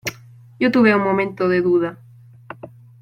yo tuve un momento de duda: